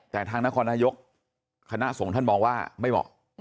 แต่ทางนครนายกคณะสงฆ์ท่านมองว่าไม่เหมาะ